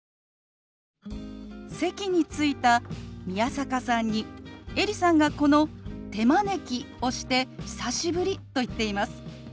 席に着いた宮坂さんにエリさんがこの「手招き」をして「久しぶり」と言っています。